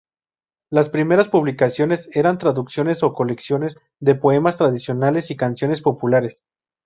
Las primeras publicaciones era traducciones o colecciones de poemas tradicionales y canciones populares.